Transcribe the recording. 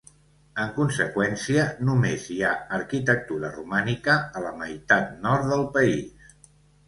En conseqüència, només hi ha arquitectura romànica a la meitat nord del país.